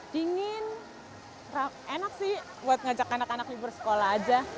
dingin enak sih buat ngajak anak anak libur sekolah aja